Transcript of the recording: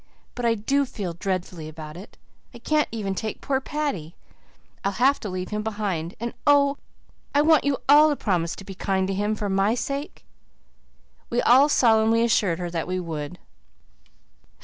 But I do feel dreadfully about it. I can't even take poor Paddy. I'll have to leave him behind, and oh, I want you all to promise to be kind to him for my sake." We all solemnly assured her that we would.